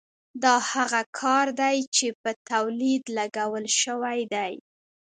دا هغه کار دی چې په تولید لګول شوی دی